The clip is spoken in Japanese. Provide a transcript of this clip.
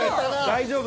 大丈夫？